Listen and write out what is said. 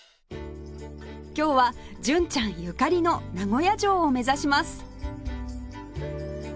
今日は純ちゃんゆかりの名古屋城を目指します